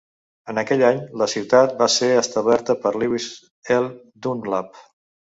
En aquell any, la ciutat va ser establerta per Lewis L. Dunlap.